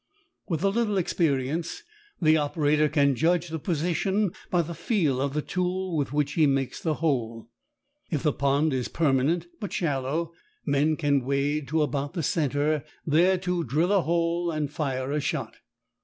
With a little experience the operator can judge the position by the feel of the tool with which he makes the hole. If the pond is permanent but shallow, men can wade to about the centre, there to drill a hole and fire a shot.